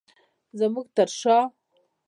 زمونږ تر شاه